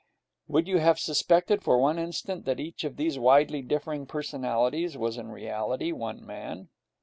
Would you have suspected for one instant that each of these widely differing personalities was in reality one man?